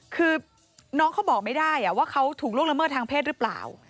คือน้องเขาบอกไม่ได้ว่าเขาถูกล่วงละเมิดทางเพศหรือเปล่า